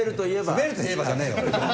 スベるといえばじゃねえよ！